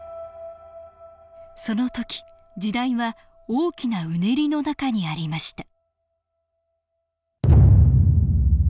その時時代は大きなうねりの中にありました